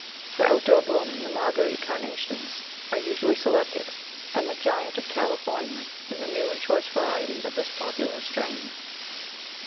For out door blooming the Marguerite Carnations are usually selected, and the Giant of California is a new and choice variety of this popular strain.